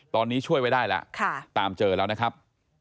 ตอนนี้ช่วยไว้ได้แล้วตามเจอแล้วนะครับ